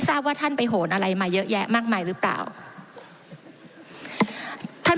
ทราบว่าท่านไปโหนอะไรมาเยอะแยะมากมายหรือเปล่าท่าน